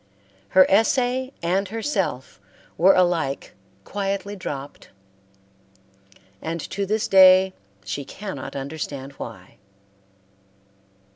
Her essay and herself were alike quietly dropped; and to this day she cannot understand why.